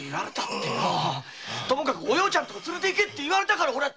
ともかくお葉ちゃんの所へ連れて行けって言われたんだよ！